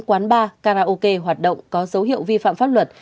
quán bar karaoke hoạt động có dấu hiệu vi phạm pháp luật